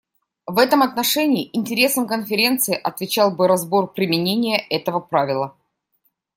В этом отношении интересам Конференции отвечал бы разбор применения этого правила.